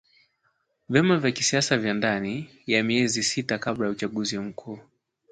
vyama vya kisiasa ndani ya miezi sita kabla ya uchaguzi mkuu